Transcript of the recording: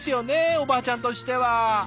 おばあちゃんとしては。